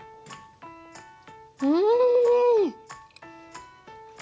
うん！